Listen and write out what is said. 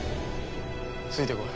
ついてこい。